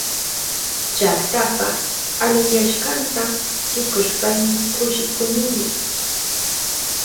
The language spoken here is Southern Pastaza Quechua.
Llaktapa aliyashkanta rikushpayni kushikunimi.